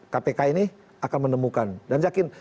kpk ini akan menemukan dan yakin